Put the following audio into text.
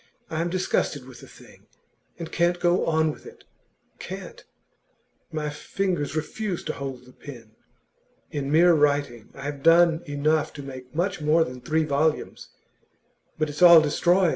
I am disgusted with the thing, and can't go on with it can't! My fingers refuse to hold the pen. In mere writing, I have done enough to make much more than three volumes; but it's all destroyed.